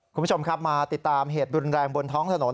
คุณผู้ชมครับมาติดตามเหตุรุนแรงบนท้องถนน